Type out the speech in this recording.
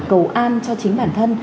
cầu an cho chính bản thân